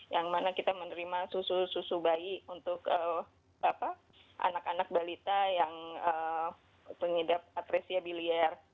yang mana kita menerima susu susu bayi untuk anak anak balita yang pengidap atresia biliar